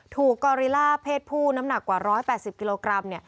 กอริล่าเพศผู้น้ำหนักกว่า๑๘๐กิโลกรัม